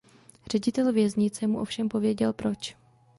Ředitel věznice mu ovšem pověděl proč.